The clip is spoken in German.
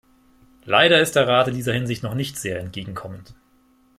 Leider ist der Rat in dieser Hinsicht noch nicht sehr entgegenkommend.